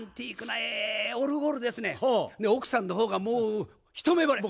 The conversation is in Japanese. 奥さんの方がもう一目ぼれ。